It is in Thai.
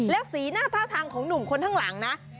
แล้วสีหน้าท่าทางของหนุ่มคนข้างหลังนะ